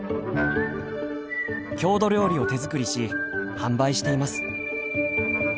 郷土料理を手作りし販売しています。